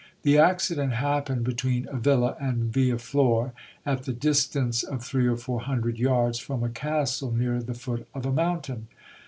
The accident happened between Avila and Villafior, at the distance of three or four hundred yards from a castle near the foot of a mountain.